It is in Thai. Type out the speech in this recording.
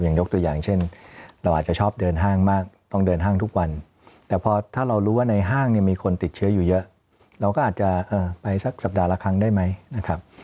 ยกตัวอย่างเช่นเราอาจจะชอบเดินห้างมากต้องเดินห้างทุกวันแต่พอถ้าเรารู้ว่าในห้างเนี่ยมีคนติดเชื้ออยู่เยอะเราก็อาจจะไปสักสัปดาห์ละครั้งได้ไหมนะครับ